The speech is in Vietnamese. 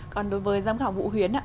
còn đối với giám khảo vũ huyến